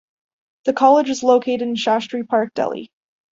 The college is located in Shastri Park, Delhi.